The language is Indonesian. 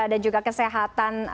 dan juga kesehatan